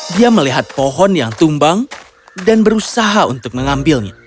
dia melihat pohon yang tumbang dan berusaha untuk mengambilnya